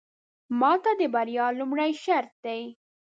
ماته د بريا لومړې شرط دی.